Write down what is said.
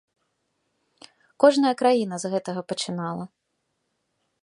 Кожная краіна з гэтага пачынала.